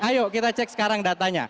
ayo kita cek sekarang datanya